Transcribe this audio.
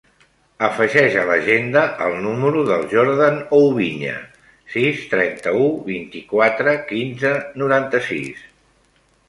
Afegeix a l'agenda el número del Jordan Oubiña: sis, trenta-u, vint-i-quatre, quinze, noranta-sis.